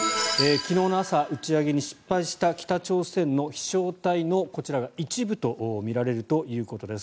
昨日の朝、打ち上げに失敗した北朝鮮の飛翔体のこちらが一部とみられるということです。